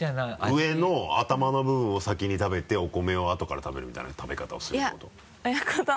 上の頭の部分を先に食べてお米を後から食べるみたいな食べ方をするってこと？